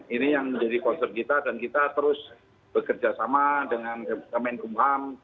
ini yang menjadi kursen kita dan kita terus bekerja sama dengan kemen kumpang